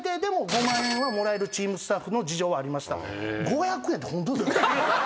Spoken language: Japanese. もらえるチームスタッフの事情はありました。